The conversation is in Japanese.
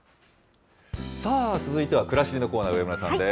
さあ、続いてはくらしりのコーナー、上村さんです。